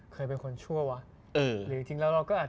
เคยเป็นคนชั่ววะ